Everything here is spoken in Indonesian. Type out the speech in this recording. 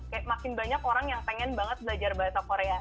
kayak makin banyak orang yang pengen banget belajar bahasa korea